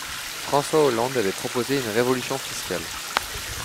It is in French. François Hollande avait proposé une révolution fiscale.